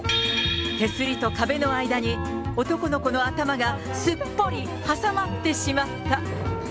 手すりと壁の間に、男の子の頭がすっぽり挟まってしまった。